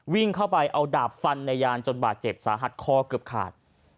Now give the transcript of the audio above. วิ่งเข้าไปเอาดาบฟันในยานจนบาดเจ็บสาหัสคอเกือบขาด